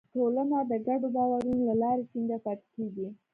ټولنه د ګډو باورونو له لارې ټینګه پاتې کېږي.